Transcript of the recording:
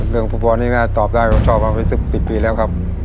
เรื่องปุ๊บบอลนี่น่าจะตอบได้ต่อไป๑๐ปีแล้วครับ